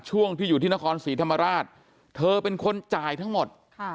ช่วงที่อยู่ที่นครศรีธรรมราชเธอเป็นคนจ่ายทั้งหมด